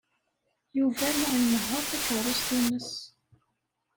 Yuba la inehheṛ takeṛṛust-nnes.